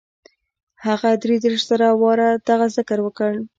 هغه دري دېرش زره واره دغه ذکر وکړ.